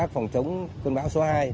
phòng chống cơn bão số hai